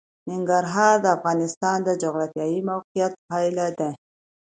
ننګرهار د افغانستان د جغرافیایي موقیعت پایله ده.